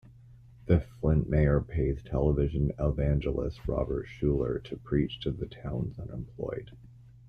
The Flint mayor pays television evangelist Robert Schuller to preach to the town's unemployed.